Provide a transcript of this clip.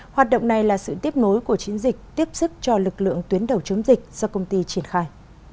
hoạt động này là sự tiếp nối của chiến dịch tiếp sức cho lực lượng tuyến đầu chống dịch do công ty triển khai